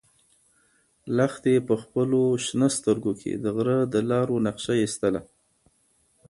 لښتې په خپلو شنه سترګو کې د غره د لارو نقشه ایستله.